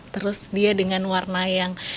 terus dia dengan warna yang